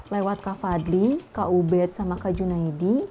lewat kak fadli kak ubed sama kak junaidi